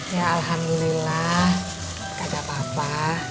ya alhamdulillah gak ada apa apa